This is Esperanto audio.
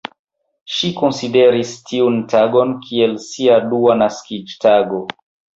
Ŝi konsideris tiun tagon kiel sia dua naskiĝtago.